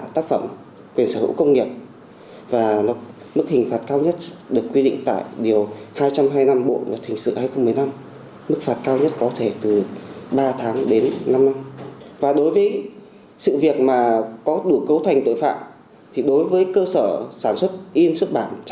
theo điều ba trăm bốn mươi bốn bộ luật hình sự